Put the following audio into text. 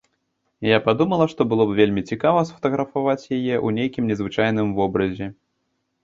Я падумала, што было б вельмі цікава сфатаграфаваць яе ў нейкім незвычайным вобразе.